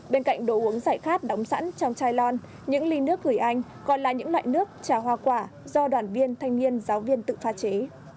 bên cạnh đồ uống dạy khát đóng sẵn trong chai lon những ly nước gửi anh còn là những loại nước trà hoa quả do đoàn viên thanh niên giáo viên tự pha chế